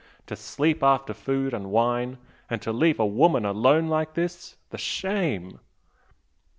To sleep after food and wine, and to leave a woman alone like this!... the shame!"